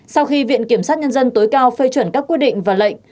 sau khi viện kiểm sát nhân dân tối cao phê chuẩn các quyết định và lệnh